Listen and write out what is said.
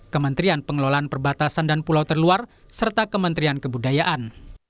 kementerian pengelolaan perbatasan dan pulau terluar serta kementerian kebudayaan